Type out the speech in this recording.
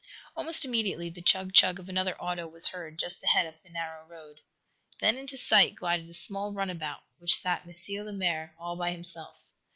Almost immediately the chug chug of another auto was heard, just ahead up the narrow road. Then into sight glided a small runabout, which sat M. Lemaire, all by himself.